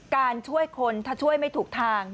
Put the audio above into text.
การช่วยคนถ้าช่วยไม่ถูกทาง